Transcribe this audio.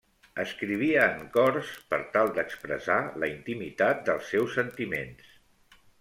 Escrivia en cors per tal d'expressar la intimitat dels seus sentiments.